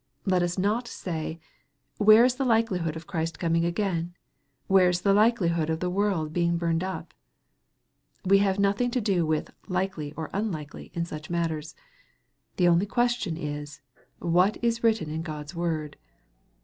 Let us not say, " Where is the likelihood of Christ coming again ? Where is the likelihood of the world being burned up ?" We have nothing to do with " likely or unlikely" in such matters. The only question is, " what is written in God's word